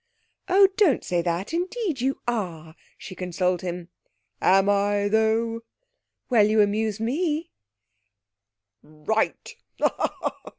'Oh, don't say that. Indeed you are.' she consoled him. 'Am I though?' 'Well, you amuse me!' 'Right!'